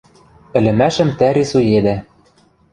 Ӹлӹмӓшӹм тӓ рисуедӓ...